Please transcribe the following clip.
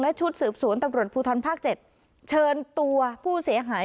ชุดสืบสวนตำรวจภูทรภาค๗เชิญตัวผู้เสียหาย